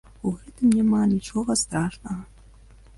У гэтым няма нічога страшнага.